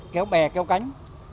kéo bè kéo cánh